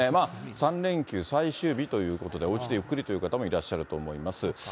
３連休最終日ということで、おうちでゆっくりという方もいらっしゃると思います。